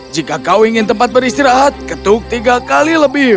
jika kau ingin tempat beristirahat ketuk tiga kali lebih